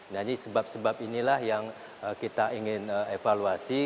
nah ini sebab sebab inilah yang kita ingin evaluasi